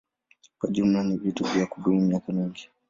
Kwa jumla ni vitu vya kudumu miaka mingi.